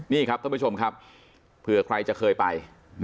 นี่ครับท่านผู้ชมครับ